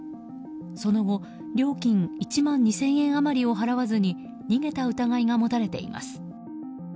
その後、料金１万２０００円余りを払わずに逃げた疑いが持たれています。